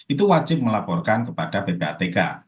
itu wajib melaporkan kepada ppatk